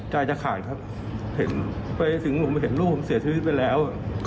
ใจจะขายครับเสียชีวิตไปแล้ว